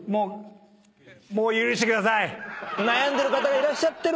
悩んでる方がいらっしゃってるんですよ。